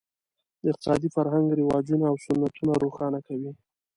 د اقتصادي فرهنګ رواجونه او سنتونه روښانه کوي.